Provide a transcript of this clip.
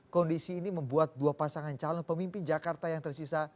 kondisi ini membuat dua pasangan calon pemimpin jakarta yang tersisa